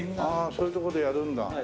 ああそういうとこでやるんだ。